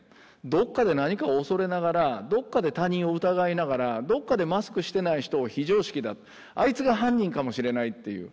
どっかで何かを恐れながらどっかで他人を疑いながらどっかでマスクしてない人を「非常識だあいつが犯人かもしれない」っていう。